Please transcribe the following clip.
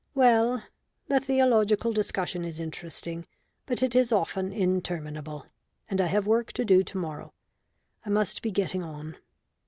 Well, the theological discussion is interesting but it is often interminable; and I have work to do to morrow. I must be getting on."